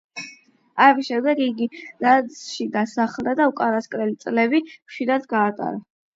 ამის შემდეგ იგი ნანსში დასახლდა და უკანასკნელი წლები მშვიდად გაატარა.